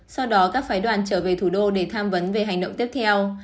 sau đó các phái đoàn trở về thủ đô để tham vấn về hành động tiếp theo